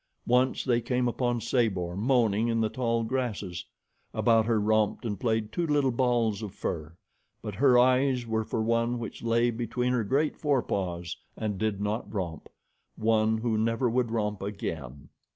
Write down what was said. Once they came upon Sabor moaning in the tall grasses. About her romped and played two little balls of fur, but her eyes were for one which lay between her great forepaws and did not romp, one who never would romp again.